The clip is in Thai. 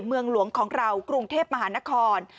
เมืองหลวงของเรากรุงเทพมหานคร